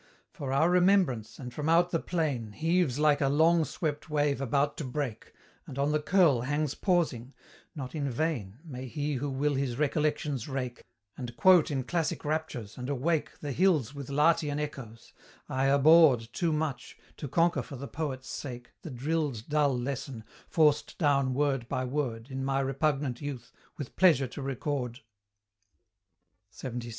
For our remembrance, and from out the plain Heaves like a long swept wave about to break, And on the curl hangs pausing: not in vain May he who will his recollections rake, And quote in classic raptures, and awake The hills with Latian echoes; I abhorred Too much, to conquer for the poet's sake, The drilled dull lesson, forced down word by word In my repugnant youth, with pleasure to record LXXVI.